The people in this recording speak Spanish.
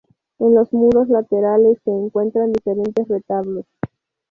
En los muros laterales se encuentran diferentes retablos.